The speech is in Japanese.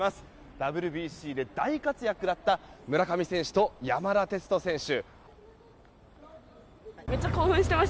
ＷＢＣで大活躍だった村上選手と山田哲人選手。